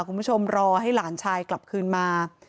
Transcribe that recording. คุณผู้ชมรอให้หลานชายกลับคืนมา